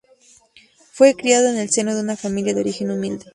Fue criado en el seno de una familia de origen humilde.